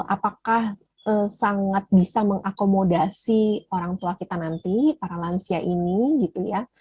apakah sangat bisa mengakomodasi orang tua kita nanti para lansia ini gitu ya